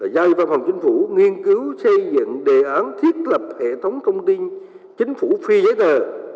giao văn phòng chính phủ nghiên cứu xây dựng đề án thiết lập hệ thống thông tin chính phủ phi giấy tờ